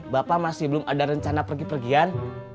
bapak masih belum ada rencana pergi pergian